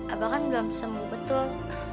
abang kan belum sembuh betul